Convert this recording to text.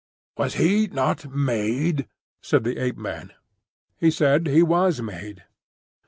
"Was he not made?" said the Ape man. "He said—he said he was made."